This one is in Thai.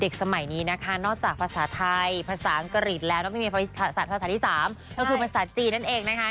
สมัยนี้นะคะนอกจากภาษาไทยภาษาอังกฤษแล้วแล้วไม่มีภาษาภาษาที่๓ก็คือภาษาจีนนั่นเองนะคะ